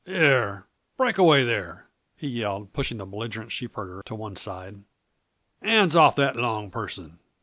"Here, break away, there!" he yelled, pushing the belligerent sheepherder to one side. "Hands off that long person!